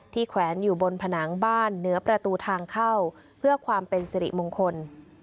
แขวนอยู่บนผนังบ้านเหนือประตูทางเข้าเพื่อความเป็นสิริมงคล